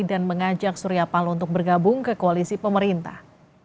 dan mengajak surya palo untuk bergabung ke koalisi pemerintah